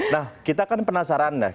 nah kita kan penasaran deh